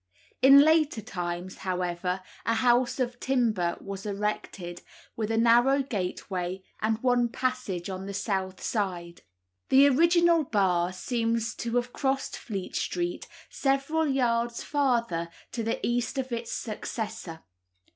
In later times, however, a house of timber was erected, with a narrow gateway and one passage on the south side. The original Bar seems to have crossed Fleet Street, several yards farther to the east of its successor.